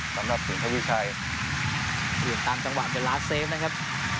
สำหรับสินทวิชัยอยู่ตามจังหวะเวลาเซฟนะครับ